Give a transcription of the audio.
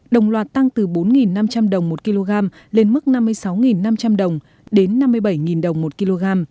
đồng loạt tăng từ bốn năm trăm linh đồng một kg lên mức năm mươi sáu năm trăm linh đồng đến năm mươi bảy đồng một kg